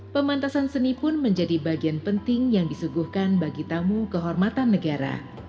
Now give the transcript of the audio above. pemantasan seni pun menjadi bagian penting yang disuguhkan bagi tamu kehormatan negara